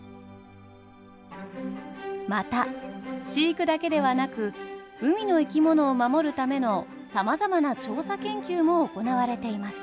また飼育だけではなく海の生き物を守るためのさまざまな調査研究も行われています。